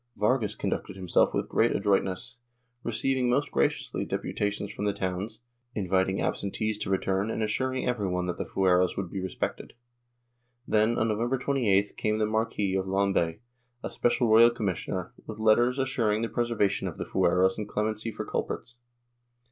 Vargas conducted himself with great adroitness, receiving most graciously deputations from the towns, inviting absentees to return and assuring every one that the fueros would be respected. Then, on November 28th came the Marquis of Lombay, as special royal commissioner, with letters assuring the preservation of the fueros and clemency for culprits.